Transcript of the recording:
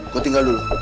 gue tinggal dulu